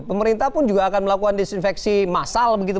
pemerintah pun juga akan melakukan disinfeksi massal begitu